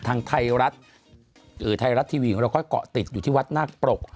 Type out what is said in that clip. ทางไทยรัฐไทยรัฐทีวีของเราก็เกาะติดอยู่ที่วัดนาคปรก